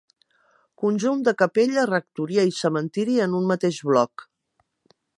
Conjunt de capella, rectoria i cementiri en un mateix bloc.